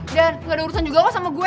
gak ada urusan juga lo sama gue